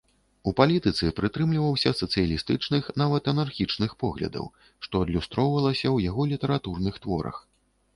У палітыцы прытрымліваўся сацыялістычных, нават анархічных поглядаў, што адлюстроўвалася і ў яго літаратурных творах.